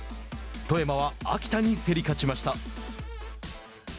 富山は秋田に競り勝ちました。